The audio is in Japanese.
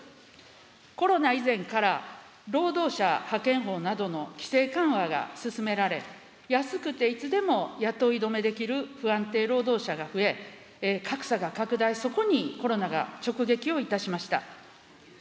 コロナ以前から、労働者派遣法などの規制緩和が進められ、安くていつでも雇い止めできる不安定労働者が増え、格差が拡大、そこにコロナが直撃をいたしました。